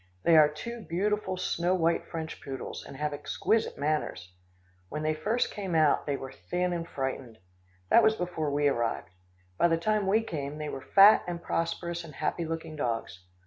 They are two beautiful snow white French poodles, and have exquisite manners. When they first came out, they were thin and frightened. That was before we arrived. By the time we came, they were fat and prosperous and happy looking dogs.